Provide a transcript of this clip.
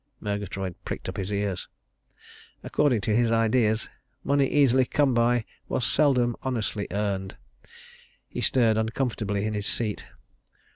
Murgatroyd pricked up his ears. According to his ideas, money easily come by was seldom honestly earned. He stirred uncomfortably in his seat.